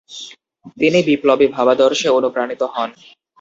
তিনি বিপ্লবী ভাবাদর্শে অনুপ্রাণিত হন।